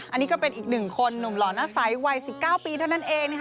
อันนี้ก็เป็นอีกหนึ่งคนหนุ่มหล่อหน้าใสวัย๑๙ปีเท่านั้นเองนะคะ